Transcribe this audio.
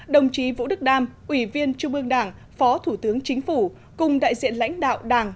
đồng chí vũ đức đam ủy viên trung ương đảng phó thủ tướng chính phủ cùng đại diện lãnh đạo đảng